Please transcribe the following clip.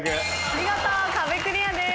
見事壁クリアです。